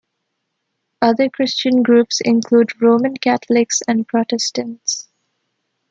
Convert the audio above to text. Other Christian groups include Roman Catholics and Protestants.